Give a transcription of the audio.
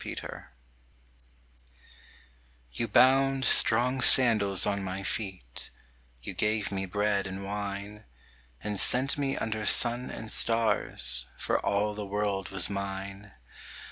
The Giver You bound strong sandals on my feet, You gave me bread and wine, And sent me under sun and stars, For all the world was mine.